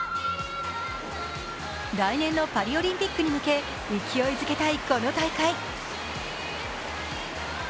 来年のパリオリンピックに向け勢いづけたい、この大会。